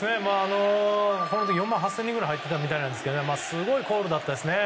この時４万８０００人ぐらい入ってたみたいですがすごいコールでしたね。